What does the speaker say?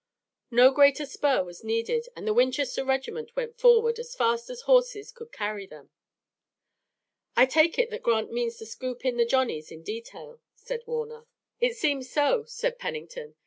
No greater spur was needed and the Winchester regiment went forward as fast as horses could carry them. "I take it that Grant means to scoop in the Johnnies in detail," said Warner. "It seems so," said Pennington.